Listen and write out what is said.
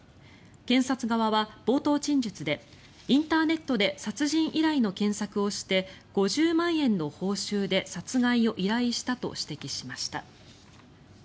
検察側は冒頭陳述でインターネットで殺人依頼の検索をして５０万円の報酬で殺害を依頼したと指摘しました。